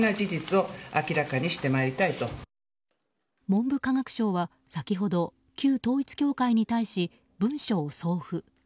文部科学省は先ほど旧統一教会に対し文書を送付。